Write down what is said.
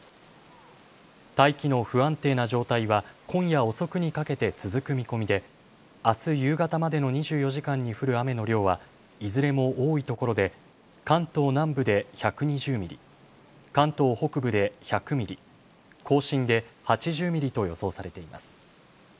大気の不安定な状態は今夜遅くにかけて続く見込みであす夕方までの２４時間に降る雨の量はいずれも多いところで関東南部で１２０ミリ、関東北部で１００ミリ、甲信で８０ミリと予想されています。